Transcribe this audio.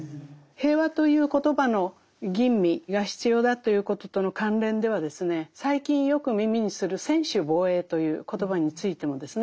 「平和」という言葉の吟味が必要だということとの関連ではですね最近よく耳にする専守防衛という言葉についてもですね